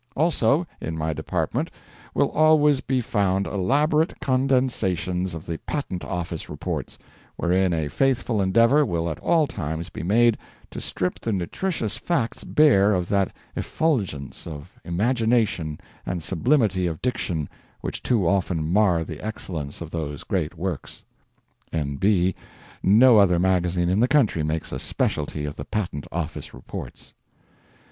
Also, in my department will always be found elaborate condensations of the Patent Office Reports, wherein a faithful endeavour will at all times be made to strip the nutritious facts bare of that effulgence of imagination and sublimity of diction which too often mar the excellence of those great works. [ N. B. No other magazine in the country makes a specialty of the Patent Office Reports.